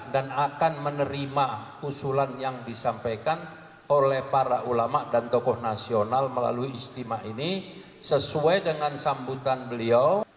dan akan menerima usulan yang disampaikan oleh para ulama dan tokoh nasional melalui ijtima ini sesuai dengan sambutan beliau